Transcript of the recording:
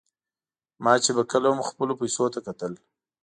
ما چې به کله هم خپلو پیسو ته کتل.